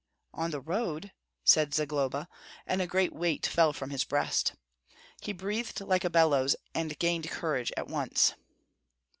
"On the road?" said Zagloba; and a great weight fell from his breast. He breathed like a bellows, and gained courage at once.